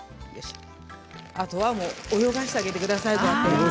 あとは泳がせてあげてください。